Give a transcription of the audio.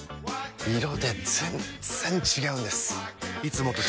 色で全然違うんです！